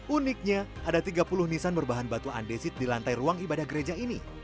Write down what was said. uniknya ada tiga puluh nisan berbahan batu andesit di lantai ruang ibadah gereja ini